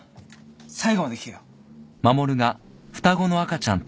最後まで聞けよ。